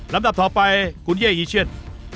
ดับต่อไปคุณเย่อีเชียน